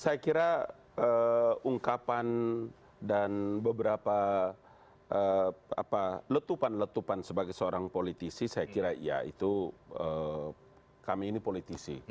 saya kira ungkapan dan beberapa letupan letupan sebagai seorang politisi saya kira ya itu kami ini politisi